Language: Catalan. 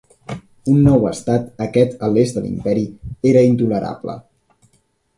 Un nou estat, aquest a l'est de l'Imperi, era intolerable.